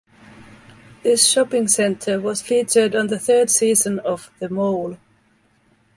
This shopping centre was featured on the third season of "The Mole".